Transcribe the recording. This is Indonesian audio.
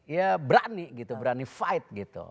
ya berani gitu berani fight gitu